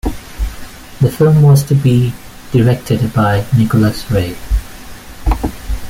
The film was to be directed by Nicholas Ray.